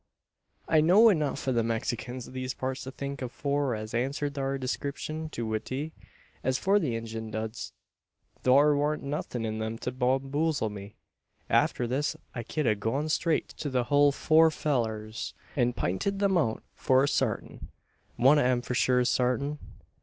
I know'd enuf o' the Mexikins o' these parts to think o' four as answered thar descripshun to a T. As to the Injun duds, thar warn't nuthin' in them to bamboozle me. Arter this, I ked a gone straight to the hul four fellurs, an pinted 'em out for sartin. One o' 'em, for sure sartin.